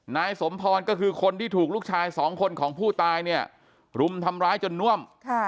นายสมพรก็คือคนที่ถูกลูกชายสองคนของผู้ตายเนี่ยรุมทำร้ายจนน่วม